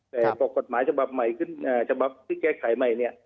แต่พอกฎหมายฉบับใหม่ขึ้นฉบับที่แก้ไขใหม่เนี่ย